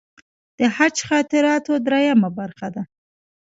د حج خاطراتو درېیمه برخه ده.